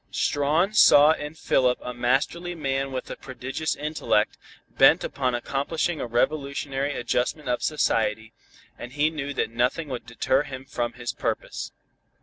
Strawn saw in Philip a masterly man with a prodigious intellect, bent upon accomplishing a revolutionary adjustment of society, and he knew that nothing would deter him from his purpose.